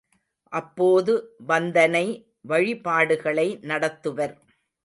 அப்போது வந்தனை வழிபாடுகளை நடத்துவர்.